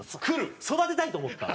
育てたいと思った。